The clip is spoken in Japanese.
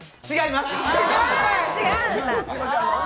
違います！